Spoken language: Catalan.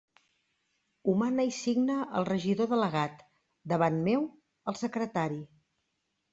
Ho mana i signa el regidor delegat, davant meu, el secretari.